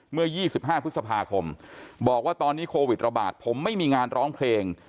เมื่อ๒๕พฤษภาคมบอกว่าตอนนี้โควิดระบาดผมไม่มีงานร้องเพลง